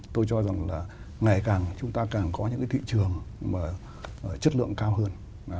tôi cho rằng là ngày càng chúng ta càng có những cái thị trường mà chất lượng cao hơn